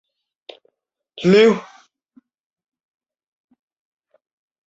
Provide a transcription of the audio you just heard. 美丽狸藻为狸藻属似一年生小型食虫植物。